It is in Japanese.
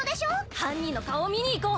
犯人の顔を見に行こう。